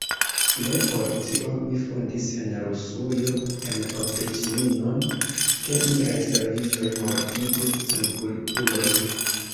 Ne por tio mi fondis en Rusujo la opriĉninon, ke miaj servistoj mortigu senkulpulojn.